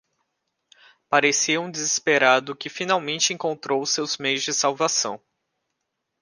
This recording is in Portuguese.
Parecia um desesperado que finalmente encontrou seus meios de salvação.